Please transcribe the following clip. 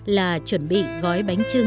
là chuẩn bị gói bánh chưng